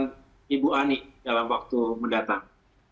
jadi saya berharap ibu ani dalam waktu mendatang